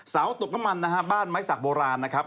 เสาตกน้ำมันนะฮะบ้านไม้สักโบราณนะครับ